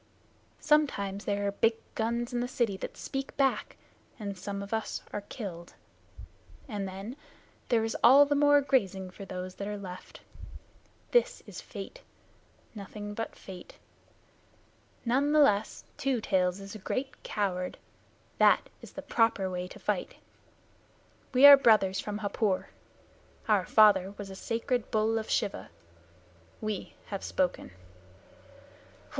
Sometimes there are big guns in the city that speak back, and some of us are killed, and then there is all the more grazing for those that are left. This is Fate. None the less, Two Tails is a great coward. That is the proper way to fight. We are brothers from Hapur. Our father was a sacred bull of Shiva. We have spoken."